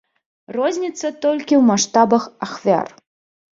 Розніца толькі ў маштабах ахвяр.